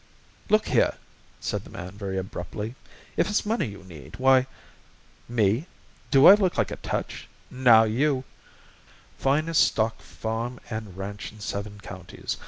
"Look here," said the man, very abruptly, "if it's money you need, why " "Me! Do I look like a touch? Now you " "Finest stock farm and ranch in seven counties.